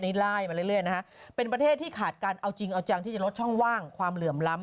นี่ไล่มาเรื่อยนะฮะเป็นประเทศที่ขาดการเอาจริงเอาจังที่จะลดช่องว่างความเหลื่อมล้ำ